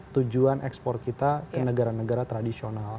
tujuan ekspor kita ke negara negara tradisional